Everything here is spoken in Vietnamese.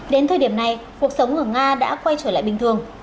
đến thời điểm này cuộc sống ở nga đã quay trở lại bình thường